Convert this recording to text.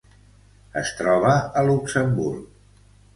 Es troba a Luxemburg.